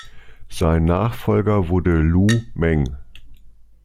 Sein Nachfolger wurde Lu Meng.